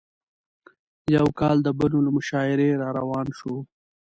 یو کال د بنو له مشاعرې راروان شوو.